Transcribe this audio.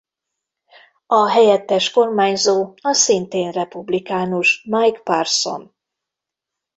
A helyettes kormányzó a szintén republikánus Mike Parson.